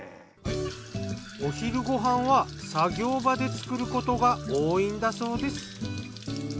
お昼ご飯は作業場で作ることが多いんだそうです。